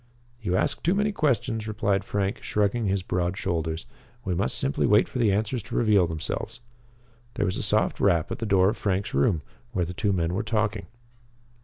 "You ask too many questions," replied Frank, shrugging his broad shoulders. "We must simply wait for the answers to reveal themselves." There was a soft rap at the door of Frank's room, where the two men were talking.